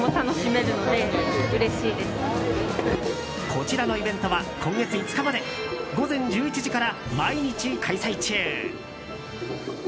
こちらのイベントは今月５日まで午前１１時から毎日開催中。